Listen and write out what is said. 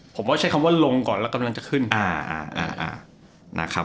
ผมก็ใช้คำว่าลงก่อนแล้วกำลังจะขึ้นอ่าอ่าอ่าอ่านะครับ